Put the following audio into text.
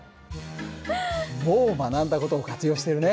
もう学んだ事を活用してるね。